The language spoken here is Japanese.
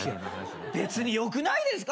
別によくないですか！？